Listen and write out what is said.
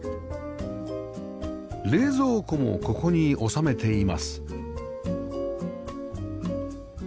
冷蔵庫もここに収めています